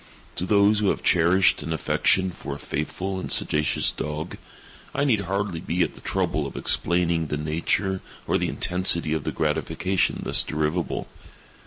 To those who have cherished an affection for a faithful and sagacious dog, I need hardly be at the trouble of explaining the nature or the intensity of the gratification thus derivable.